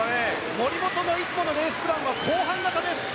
森本のいつものレースプランは後半型。